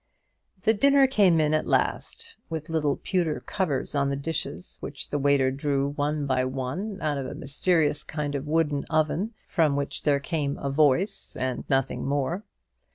The dinner came in at last, with little pewter covers over the dishes, which the waiter drew one by one out of a mysterious kind of wooden oven, from which there came a voice, and nothing more.